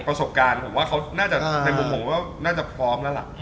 ประสบการณ์ผมว่าเขาน่าจะในมุมผมก็น่าจะพร้อมแล้วล่ะ